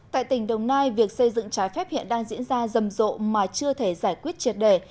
tại tỉnh đồng nai việc xây dựng trái phép hiện đang diễn ra rầm rộ mà chưa thể giải quyết triệt đề